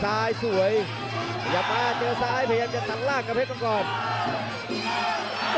ซ้ายสวยขยับมาเจอซ้ายพยายามจะตัดล่างกับเพชรมังกร